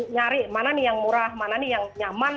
nyari mana nih yang murah mana nih yang nyaman